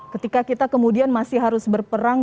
ketika kita kemudian masih harus berperang